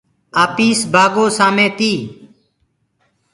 آپيس بآگو سآمي تي